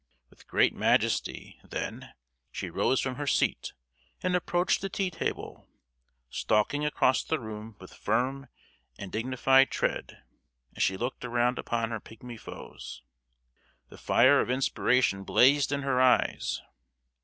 With great majesty, then, she rose from her seat, and approached the tea table, stalking across the room with firm and dignified tread, as she looked around upon her pigmy foes. The fire of inspiration blazed in her eyes.